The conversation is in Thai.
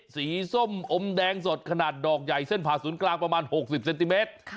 ส้มอมแดงสดขนาดดอกใหญ่เส้นผ่าศูนย์กลางประมาณ๖๐เซนติเมตร